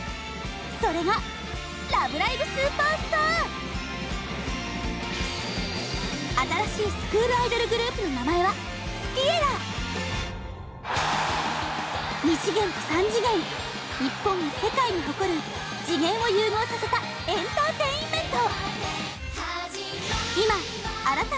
それが新しいスクールアイドルグループの名前は２次元と３次元日本が世界に誇る次元を融合させたエンターテインメント！